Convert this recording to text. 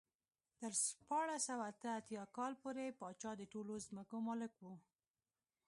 تر شپاړس سوه اته اتیا کال پورې پاچا د ټولو ځمکو مالک و.